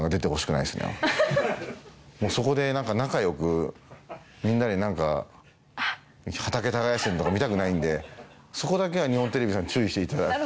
そこで仲良くみんなで何か畑耕してるのとか見たくないんでそこだけは日本テレビさん注意していただきたい。